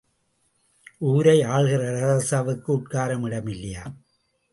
ஊரை ஆள்கிற ராசாவுக்கு உட்கார இடம் இல்லையாம்!